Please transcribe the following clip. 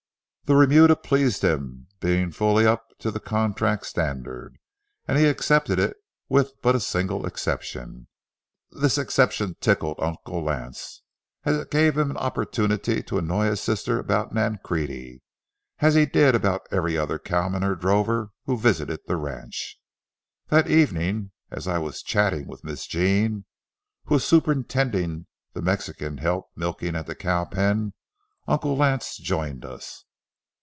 The remuda pleased him, being fully up to the contract standard, and he accepted it with but a single exception. This exception tickled Uncle Lance, as it gave him an opportunity to annoy his sister about Nancrede, as he did about every other cowman or drover who visited the ranch. That evening, as I was chatting with Miss Jean, who was superintending the Mexican help milking at the cow pen, Uncle Lance joined us.